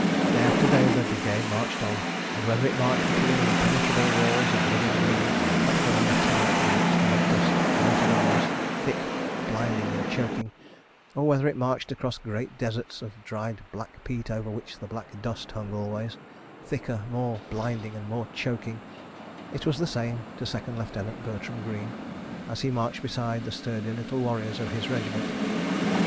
... Day after day the Brigade marched on, and whether it marched between impenetrable walls of living green that formed a tunnel in which the red dust floated always, thick, blinding and choking, or whether it marched across great deserts of dried black peat over which the black dust hung always, thicker, more blinding and more choking—it was the same to Second Lieutenant Bertram Greene, as he marched beside the sturdy little warriors of his regiment.